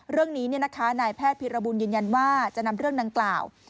เรื่องนี้นายแพทย์พิรบูลยืนยันว่าจะนำเรื่องดังกล่าว